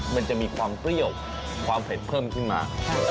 มันจะมีความเปรี้ยวความเผ็ดเพิ่มขึ้นมา